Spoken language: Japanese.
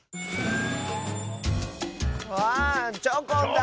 あっチョコンだ！